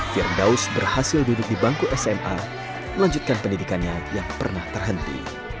firdaus berhasil duduk di bangku sma melanjutkan pendidikannya yang pernah terhenti